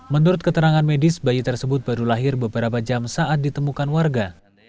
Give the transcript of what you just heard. menurut keterangan medis bayi tersebut baru lahir beberapa jam saat ditemukan warga